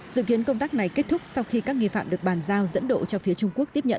dự kiến công tác này kết thúc sau khi các nghi phạm được bàn giao dẫn độ cho phía trung quốc tiếp nhận